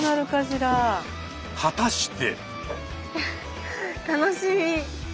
果たして。